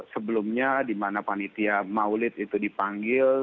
sebelumnya di mana panitia maulid itu dipanggil